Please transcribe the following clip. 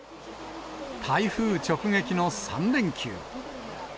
台風直撃の３連休。